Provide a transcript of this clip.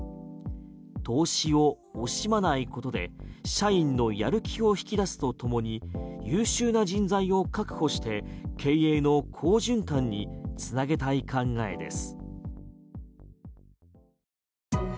投資を惜しまないことで社員のやる気を引き出すとともに優秀な人材を確保して経営の好循環に繋げたい考えです。